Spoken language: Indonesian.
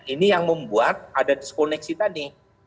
ini yang membuat ada diskoneksi tadi